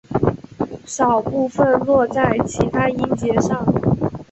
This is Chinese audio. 少部分落在其它音节上。